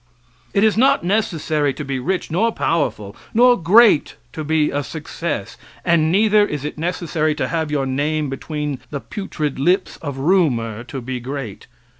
It is not necessary to be rich, nor powerful, nor great to be a success; and neither is it necessary to have your name between the putrid lips of rumor to be great.